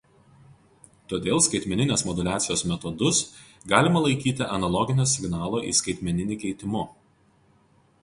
Todėl skaitmeninės moduliacijos metodus galima laikyti analoginio signalo į skaitmeninį keitimu.